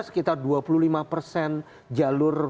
sekitar dua puluh lima persen jalur